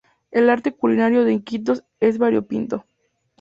El arte culinario de Iquitos es variopinto.